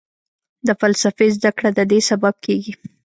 د فلسفې زده کړه ددې سبب کېږي.